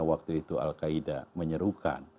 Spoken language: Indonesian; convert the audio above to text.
waktu itu al qaeda menyerukan